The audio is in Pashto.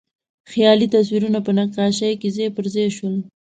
خیالي تصویرونه په نقاشۍ کې ځای پر ځای شول.